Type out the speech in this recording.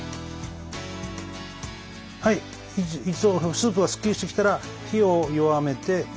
はいスープがスッキリしてきたら火を弱めて。